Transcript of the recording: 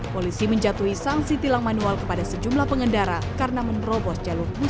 polisi menjatuhi sanksi tilang manual kepada sejumlah pengendara karena menerobos jalur bus